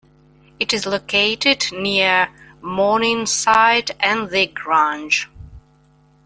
It is located near Morningside, and The Grange.